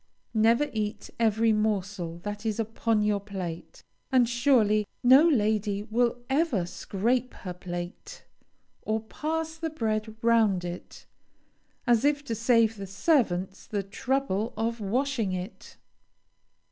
Never eat every morsel that is upon your plate; and surely no lady will ever scrape her plate, or pass the bread round it, as if to save the servants the trouble of washing it.